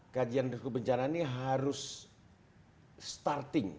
kajian resiko bencana ini harus starting